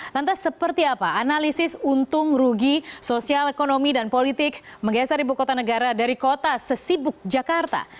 lantas seperti apa analisis untung rugi sosial ekonomi dan politik menggeser ibu kota negara dari kota sesibuk jakarta